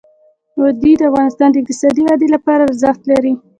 وادي د افغانستان د اقتصادي ودې لپاره ارزښت لري.